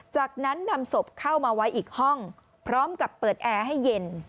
จากนั้นนำศพเข้ามาไว้อีกห้องพร้อมกับเปิดแอร์ให้เย็น